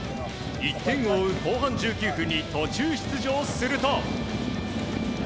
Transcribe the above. １点を追う後半１９分に途中出場すると。